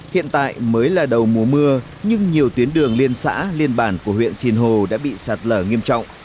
hiện tại mới là đầu mùa mưa nhưng nhiều tuyến đường liên xã liên bản của huyện sinh hồ đã bị sạt lở nghiêm trọng